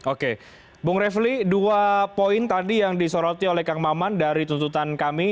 oke bung refli dua poin tadi yang disoroti oleh kang maman dari tuntutan kami